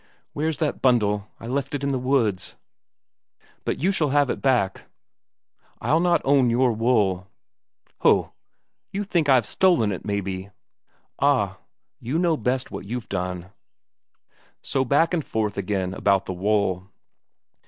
"Where's that bundle? I left it in the woods. But you shall have it back I'll not own your wool." "Ho, you think I've stolen it, maybe." "Ah, you know best what you've done." So back and forth again about the wool.